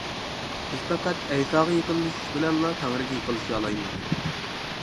بىز پەقەت ئەيساغا يېقىنلىشىش بىلەنلا تەڭرىگە يېقىنلىشالايمىز.